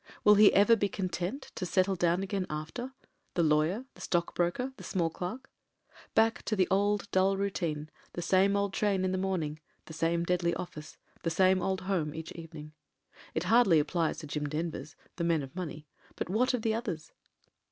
Will he ever be content to settle down again after — ^the lawyer, the stock broker, the small clerk ? Back to the old dull routine, the same old train in the morning, the same deadly office, the same cJd home each evening. It hardly ap plies to the Jim Denvers — ^the men of money : but what of the others